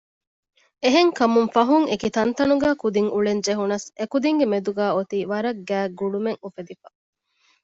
އެެހެންކަމުން ފަހުން އެކި ތަންތަނުގައި ކުދިން އުޅެން ޖެހުނަސް އެކުދިންގެ މެދުގައި އޮތީ ވަރަށް ގާތް ގުޅުމެއް އުފެދިފަ